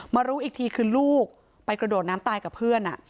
รู้อีกทีคือลูกไปกระโดดน้ำตายกับเพื่อน